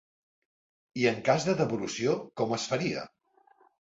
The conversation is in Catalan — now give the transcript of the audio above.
I en cas de devolució com es faria?